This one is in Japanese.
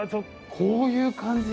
こういう感じ